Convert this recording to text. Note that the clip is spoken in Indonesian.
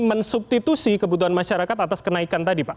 mensubstitusi kebutuhan masyarakat atas kenaikan tadi pak